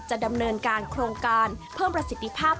ดำเนินการโครงการเพิ่มประสิทธิภาพ